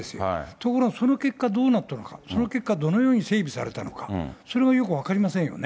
ところがその結果、どうなったのか、その結果どのように整備されたのか、それがよく分かりませんよね。